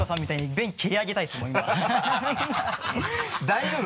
大丈夫？